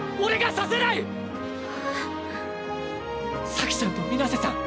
咲ちゃんと水瀬さん